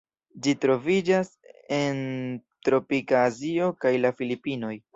Ĝi troviĝas en tropika Azio kaj la Filipinoj.